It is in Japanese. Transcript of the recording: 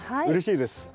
うれしいです。